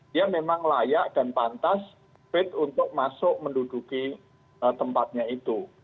dia memang layak dan pantas fit untuk masuk menduduki tempatnya itu